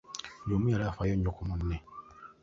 Buli omu yali afaayo nnyo ku munne .